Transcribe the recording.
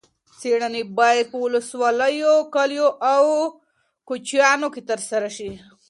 څېړنې باید په ولسوالیو، کلیو او کوچیانو کې ترسره شي.